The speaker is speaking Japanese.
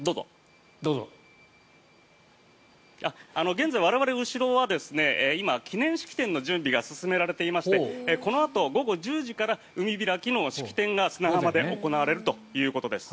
現在、我々の後ろは今、記念式典の準備が進められていましてこのあと午後１０時から海開きの式典が砂浜で行われるということです。